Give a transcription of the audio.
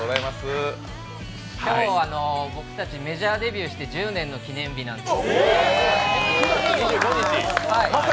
今日僕たちメジャーデビューして１０年の記念日です。